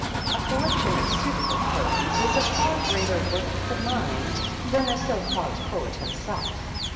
A collection of suitable poems is a far greater work of the mind than a so called poet himself.